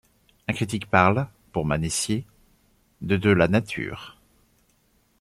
Un critique parle, pour Manessier, de de la nature.